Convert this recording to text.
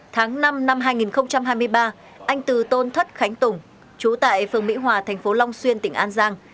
tháng năm năm hai nghìn hai mươi ba anh từ tôn thất khánh tùng chú tại phường mỹ hòa thành phố long xuyên tỉnh an giang